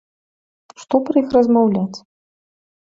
Што пра іх размаўляць?